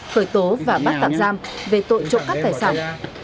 khởi tố và bắt tạm giam về tội trộm cắp tài sản